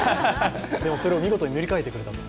でも、それを見事に塗り替えてくれたと。